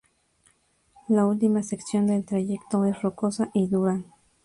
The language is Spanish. La última sección del trayecto es rocosa y dura.